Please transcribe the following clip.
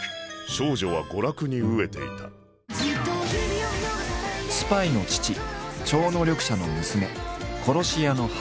少女は娯楽に飢えていたスパイの父超能力者の娘殺し屋の母。